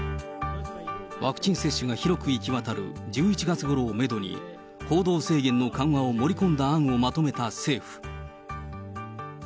ワクチン接種が広く行き渡る１１月ごろをメドに、行動制限の緩和を盛り込んだ案をまとめた政府。